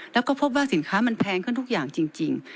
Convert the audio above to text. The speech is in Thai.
แล้วก็พบว่าสินค้ามันแพงขึ้นทุกอย่างจริง